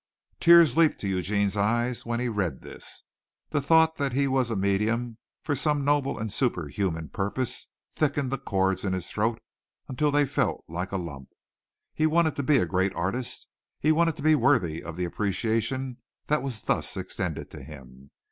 Tears leaped to Eugene's eyes when he read this. The thought that he was a medium for some noble and super human purpose thickened the cords in his throat until they felt like a lump. He wanted to be a great artist, he wanted to be worthy of the appreciation that was thus extended to him.